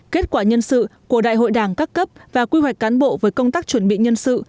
kết quả nhân sự của đại hội đảng các cấp và quy hoạch cán bộ với công tác chuẩn bị nhân sự